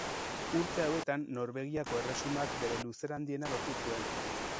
Urte hauetan Norvegiako erresumak bere luzera handiena lortu zuen.